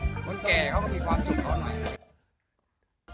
คนแก่เขาก็มีความสุขเขาหน่อย